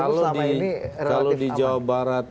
selama ini relatif aman kalau di jawa barat